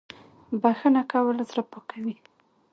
بخښنه کول زړه پاکوي